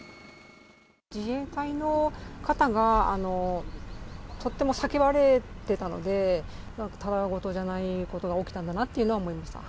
自衛隊の方がとっても叫ばれてたので、ただ事じゃないことが起きたんだなっていうのは思いました。